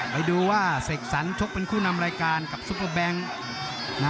ไปดูว่าเสกสรรชกเป็นคู่นำรายการกับซุปเปอร์แบงค์